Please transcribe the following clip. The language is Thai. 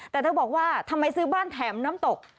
แต่เธอบอกว่าทำไมซื้อบ้านแถมน้ำตก